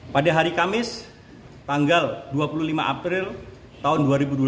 pada hari kamis tanggal dua puluh lima april tahun dua ribu dua puluh